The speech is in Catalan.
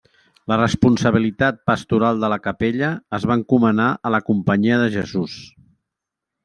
La responsabilitat pastoral de la capella es va encomanar a la Companyia de Jesús.